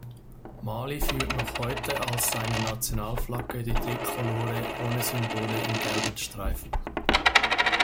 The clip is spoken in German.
Mali führt noch heute als seine Nationalflagge die Trikolore ohne Symbole im gelben Streifen.